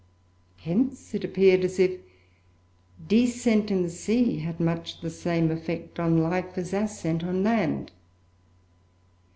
Hence it appeared as if descent in the sea had much the same effect on life, as ascent on land.